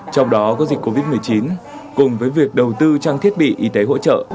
trong đó có dịch covid một mươi chín cùng với việc đầu tư trang thiết bị y tế hỗ trợ